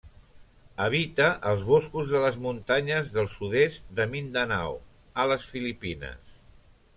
Habita els boscos de les muntanyes del sud-est de Mindanao, a les Filipines.